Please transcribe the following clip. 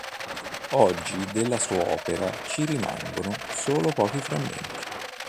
Oggi della sua opera ci rimangono solo pochi frammenti.